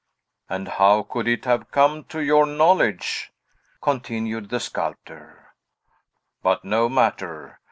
"And how could it have come to your knowledge?" continued the sculptor. "But no matter!